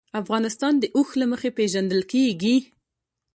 افغانستان د اوښ له مخې پېژندل کېږي.